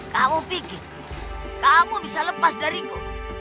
kamu pikir kamu bisa lepas dariku